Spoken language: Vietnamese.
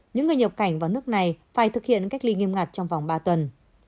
những người nhập cảnh vào nước này phải thực hiện cách ly nghiêm ngặt trong vòng ba tuần